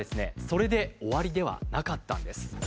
それで終わりではなかったんです。